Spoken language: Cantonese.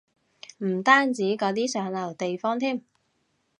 唔單止嗰啲上流地方添